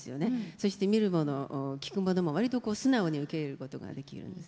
そして見るもの聞くものも割と素直に受け入れることができるんです。